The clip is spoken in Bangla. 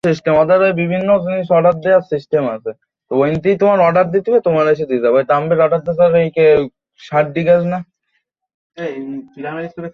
বুধবার দুপুরে তিনি বাসায় গিয়ে দেখতে পান সেলিনা গলায় ফাঁস দিয়েছেন।